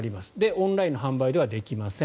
オンラインでの販売はできません。